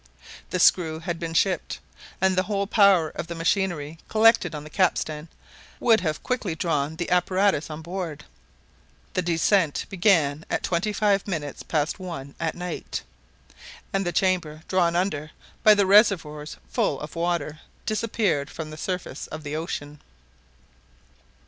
The screw had been shipped, and the whole power of the machinery collected on the capstan would have quickly drawn the apparatus on board. The descent began at twenty five minutes past one at night, and the chamber, drawn under by the reservoirs full of water, disappeared from the surface of the ocean.